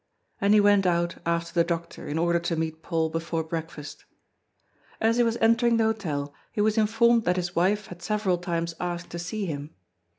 And he went out after the doctor in order to meet Paul before breakfast. As he was entering the hotel, he was informed that his wife had several times asked to see him.